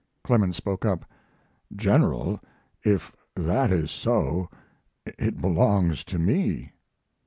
Clemens spoke up: "General, if that is so, it belongs to me."